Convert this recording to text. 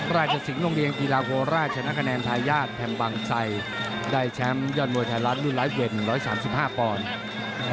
ราชสิงห์โรงเรียนกีฬาโคราชชนะคะแนนทายาทแห่งบางไซได้แชมป์ยอดมวยไทยรัฐรุ่นไลฟ์เว่น๑๓๕ปอนด์